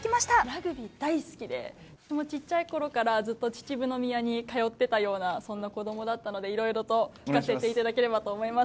ラグビー大好きで、もうちっちゃいころから、ずっと秩父宮に通ってたようなそんな子どもだったので、いろいろと聞かせていただければと思います。